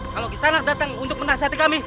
kalau kisah anak datang untuk menasihati kami